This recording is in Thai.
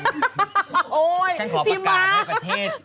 ผมขอประกาศให้ประเทศ